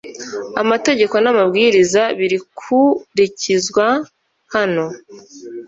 Amategeko n'amabwiriza birkurikizwa hano